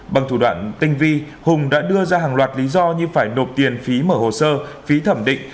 bằng thủ đoạn tinh vi hùng đã đưa ra hàng loạt lý do như phải nộp tiền phí mở hồ sơ phí thẩm định